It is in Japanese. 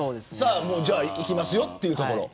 じゃあいきますよというところ。